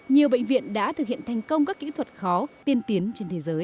nhiều bệnh viện đã thực hiện thành công các kỹ thuật khó tiên tiến trên thế giới